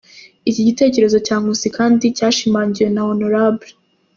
Iki gitekerezo cya Nkusi kandi cyashyimangikiwe na Hon.